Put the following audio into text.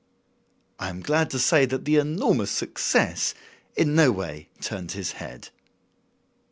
I am glad to say that the enormous success in no way turned his head.